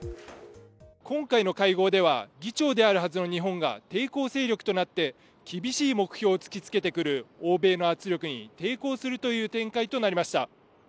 今回の会合では、議長であるはずの日本が抵抗勢力となって厳しい目標を突きつけてくる欧米の圧力に抵抗するという展開となりました。